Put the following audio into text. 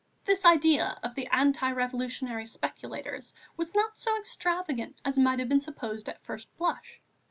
This idea of the anti revolutionary speculators was not so extravagant as might have been supposed at the first blush.